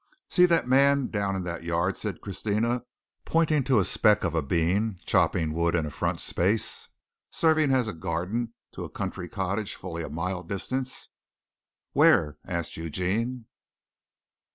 "See that man down in that yard," said Christina, pointing to a speck of a being chopping wood in a front space serving as a garden to a country cottage fully a mile distant. "Where?" asked Eugene.